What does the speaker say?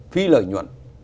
phi lợi nhuận